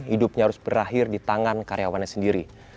hidupnya harus berakhir di tangan karyawannya sendiri